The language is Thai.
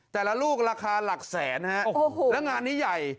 แต่ละลูกราคาหลักแสนฮะโอ้โหแล้วงานนี้ใหญ่